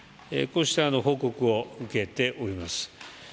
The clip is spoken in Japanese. こうした報告を受けております。